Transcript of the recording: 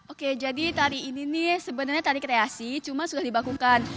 oke jadi tari ini nih sebenarnya tari kreasi cuma sudah dibakukan